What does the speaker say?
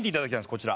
こちら。